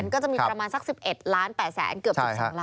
ก็จะมีประมาณสัก๑๑๘๐๐๐๐๐เกือบจาก๒๐๐๐๐๐๐